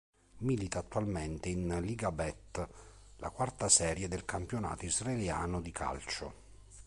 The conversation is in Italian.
Milita attualmente in Liga Bet, la quarta serie del campionato israeliano di calcio.